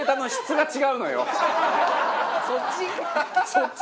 そっち？